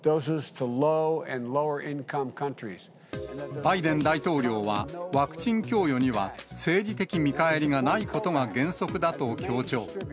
バイデン大統領は、ワクチン供与には政治的見返りがないことが原則だと強調。